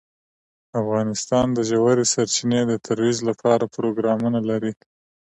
افغانستان د ژورې سرچینې د ترویج لپاره پروګرامونه لري.